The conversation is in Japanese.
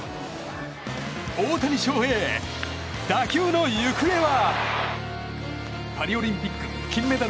大谷翔平、打球の行方は？